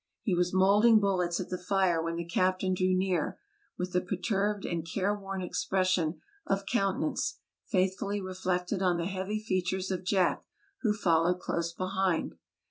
He was molding bullets at the fire when the captain drew near, with a perturbed and careworn expression of countenance, faithfully reflected on the heavy features of Jack, who followed close behind.